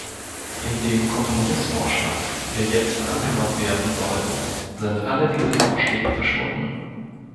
In dem Kompromissvorschlag, der jetzt angenommen werden soll, sind alle diese Vorschläge verschwunden.